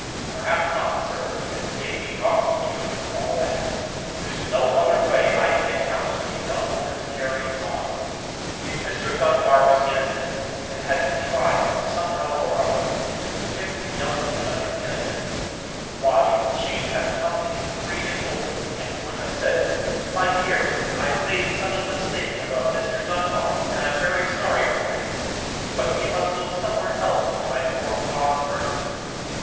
"'Perhaps not, sir, but it may be gospel truth for all that. There's no other way I can account for the young woman's carryings on. If Mr. Dunbar was innocent, and had contrived, somehow or other, to convince the young woman of his innocence, why, she'd have come to you free and open, and would have said, 'My dear, I've made a mistake about Mr. Dunbar, and I'm very sorry for it; but we must look somewhere else for my poor pa's murderer.'